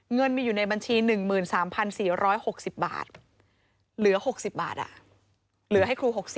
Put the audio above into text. เงินมีอยู่ในบัญชี๑๓๔๖๐บาทเหลือ๖๐บาทเหลือให้ครู๖๐